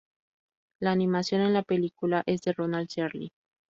La animación en la película es de Ronald Searle.